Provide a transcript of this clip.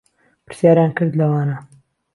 پرسیاریان کرد له وانه